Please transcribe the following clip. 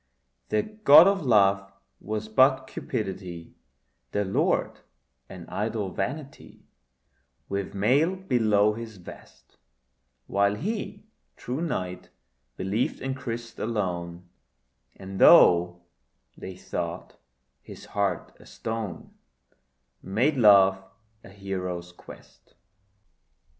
Their god of love was but Cupidity, Their Lord an idol vanity With mail below his vest: While he, true knight, believed in Christ alone, And though they thought his heart a stone, Made love a hero's quest.